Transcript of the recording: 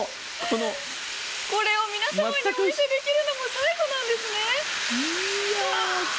これを皆様にお見せできるのも最後なんですね。